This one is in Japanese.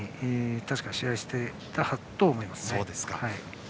確か、試合をしていたと思います。